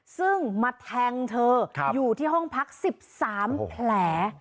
ซึ่งมาแทงเธออยู่ที่ห้องพัก๑๓แผล